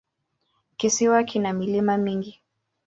Kisiwa kina milima mingi.